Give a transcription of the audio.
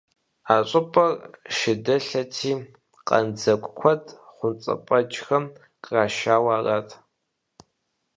А щӏыпӏэр шэдылъэти, къандзэгу куэд хъумпӀэцӀэджхэм кърашауэ арат.